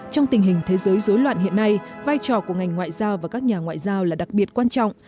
trong tình hình thế giới dối loạn hiện nay vai trò của ngành ngoại giao và các nhà ngoại giao là đặc biệt quan trọng